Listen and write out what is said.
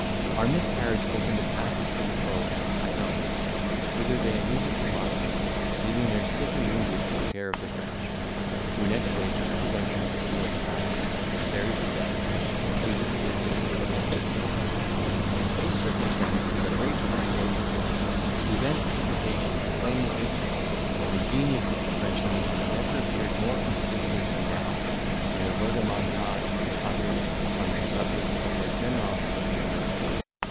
Our miscarriage opened a passage for the foe to Haynau, whither they immediately marched, leaving their sick and wounded to the care of the French, who next day took possession of the field of battle, buried the dead, and treated the living with humanity. This circumstance was a great consolation to us, who thence took occasion to claim the victory; and the genius of the French nation never appeared more conspicuous than now, in the rhodomontades they uttered on the subject of their generosity and courage.